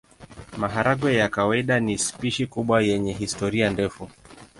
Maharagwe ya kawaida ni spishi kubwa yenye historia ndefu.